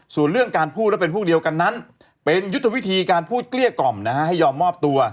ส่วนเรื่องการพูดและเป็นพวกเดียวกันนั้นเป็นยุทธวิธีการพูดเกลี้ยกล่อมนะฮะให้ยอมมอบตัว